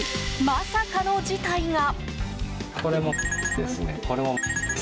まさかの事態が。